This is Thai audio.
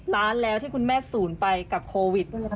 ล้านแล้วที่คุณแม่ศูนย์ไปกับโควิด